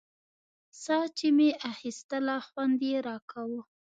ساه چې مې اخيستله خوند يې راکاوه.